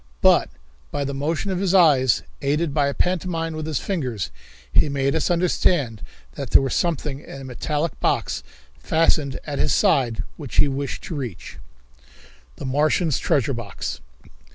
But by the motion of his eyes, aided by a pantomime with his fingers, he made us understand that there was something in a metallic box fastened at his side which he wished to reach. The Martian's Treasure Box.